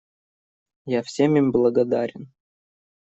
Я всем им благодарен.